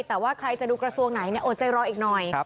แต่ว่าใครจะดูกระทรวงไหนโอดใจรออีกหน่อย